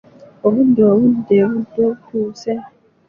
Obudde obudda e Buddo butuuse.